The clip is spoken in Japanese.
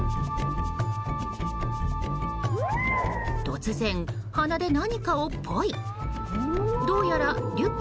突然、鼻で何かをポイッ。